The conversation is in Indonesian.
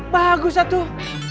bagus ya tuh